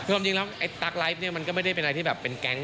ความจริงแล้วไอ้ตั๊กไลฟ์เนี่ยมันก็ไม่ได้เป็นอะไรที่แบบเป็นแก๊ง